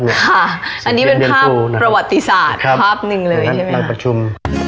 ค่ะอันนี้เป็นภาพประวัติศาสตร์ภาพหนึ่งเลยใช่ไหมในประชุม